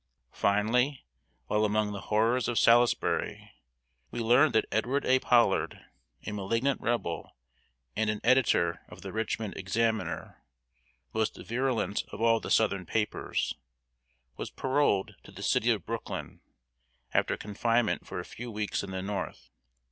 Finally, while among the horrors of Salisbury, we learned that Edward A. Pollard, a malignant Rebel, and an editor of The Richmond Examiner, most virulent of all the southern papers, was paroled to the city of Brooklyn, after confinement for a few weeks in the North.